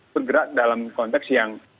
bergerak dalam konteks yang